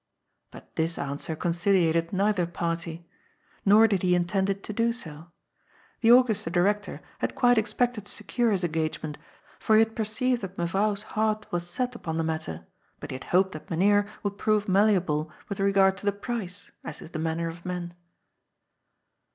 But this answer conciliated neither party. Nor did he intend it to do so. The Orchestra Director had quite ex 200 GOD'S FOOL. pected to secure his engagement, for he had perceived that Meyrouw's heart was set upon the matter, but he had hoped that Mynheer would prove malleable with regard to the price, as is the manner of men.